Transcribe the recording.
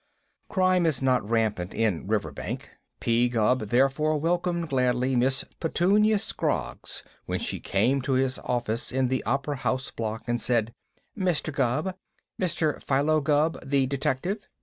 Crime is not rampant in Riverbank. P. Gubb therefore welcomed gladly Miss Petunia Scroggs when she came to his office in the Opera House Block and said: "Mr. Gubb? Mr. Philo Gubb, the detective?